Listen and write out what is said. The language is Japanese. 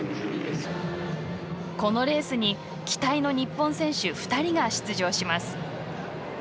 このレースに期待の日本選手２人が出場します。